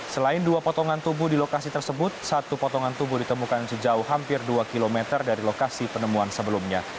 selain dua potongan tubuh di lokasi tersebut satu potongan tubuh ditemukan sejauh hampir dua km dari lokasi penemuan sebelumnya